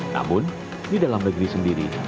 namun di dalam negeri sendiri